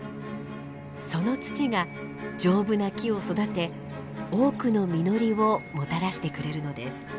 その土が丈夫な木を育て多くの実りをもたらしてくれるのです。